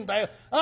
あ！